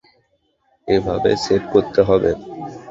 এভাবে সেট করতে হবে।